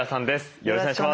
よろしくお願いします。